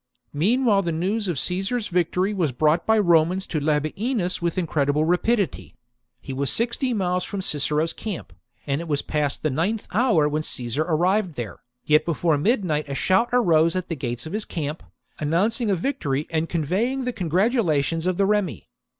Meanwhile the news of Caesar's victory was brought by Remans to Labienus with in credible rapidity : he was sixty miles from Cicero's camp, and it was past the ninth hour when Caesar arrived there ; yet before midnight a shout arose at the gates of his camp, announcing a victory and conveying the congratu lations of the Remi.